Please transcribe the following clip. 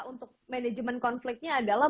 untuk manajemen konfliknya adalah